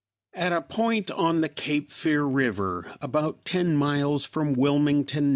At a point on the Cape Fear river, about ten miles from Wilmington, N.